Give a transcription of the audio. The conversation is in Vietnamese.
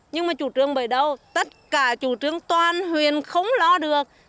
nhưng mà chủ trương bởi đâu tất cả chủ trương toàn huyện không lo được